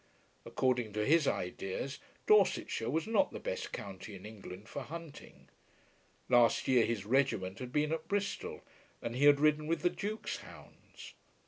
According to his ideas, Dorsetshire was not the best county in England for hunting. Last year his regiment had been at Bristol and he had ridden with the Duke's hounds.